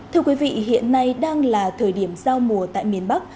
thưa quý vị hiện nay đang là thời điểm giao mùa tại miền bắc